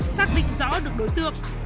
xác định rõ được đối tượng